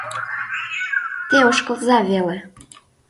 — Те ошкылза веле.